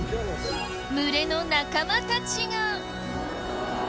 群れの仲間たちが！